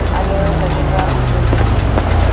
Alors, la mémoire lui revient.